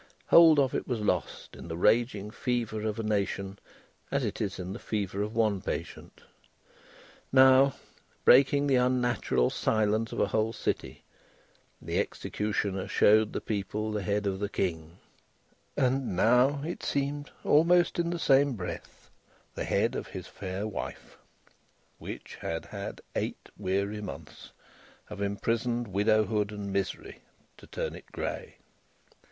Hold of it was lost in the raging fever of a nation, as it is in the fever of one patient. Now, breaking the unnatural silence of a whole city, the executioner showed the people the head of the king and now, it seemed almost in the same breath, the head of his fair wife which had had eight weary months of imprisoned widowhood and misery, to turn it grey.